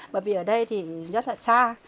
bởi vì ở đây thì rất là xa